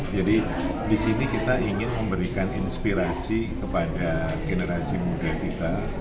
jadi di sini kita ingin memberikan inspirasi kepada generasi muda kita